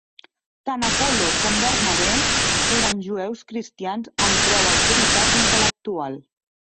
Tant Apol·lo com Bernabé eren jueus cristians amb prou autoritat intel·lectual.